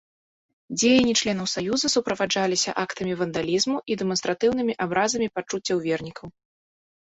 Дзеянні членаў саюза суправаджаліся актамі вандалізму і дэманстратыўнымі абразамі пачуццяў вернікаў.